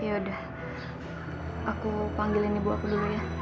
ya udah aku panggilin ibu aku dulu ya